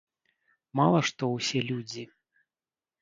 Мала што ўсе людзі!